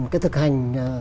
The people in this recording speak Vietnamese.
cái thực hành